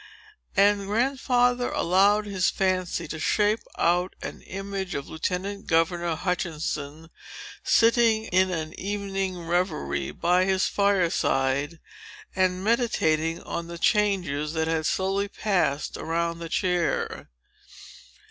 And Grandfather allowed his fancy to shape out an image of Lieutenant Governor Hutchinson, sitting in an evening reverie by his fireside, and meditating on the changes that had slowly passed around the chair.